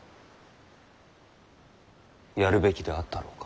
やるべきであったろうか。